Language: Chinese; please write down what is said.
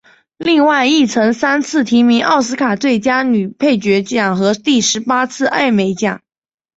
另外亦曾三次提名奥斯卡最佳女配角奖和十八次艾美奖。